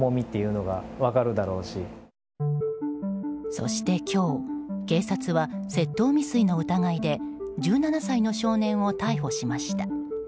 そして、今日警察は窃盗未遂の疑いで１７歳の少年を逮捕しました。